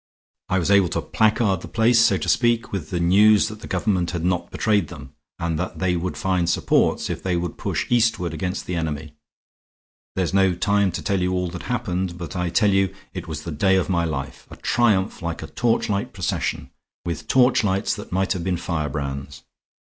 I was able to placard the place, so to speak, with the news that the government had not betrayed them, and that they would find supports if they would push eastward against the enemy. There's no time to tell you all that happened; but I tell you it was the day of my life. A triumph like a torchlight procession, with torchlights that might have been firebrands.